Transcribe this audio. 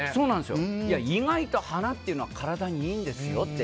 意外と花というのは体にいいんですよって。